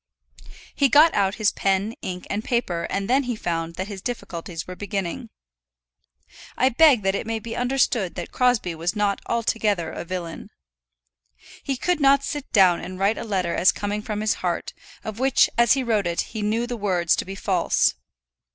He got out his pen, ink, and paper, and then he found that his difficulties were beginning. I beg that it may be understood that Crosbie was not altogether a villain. He could not sit down and write a letter as coming from his heart, of which as he wrote it he knew the words to be false.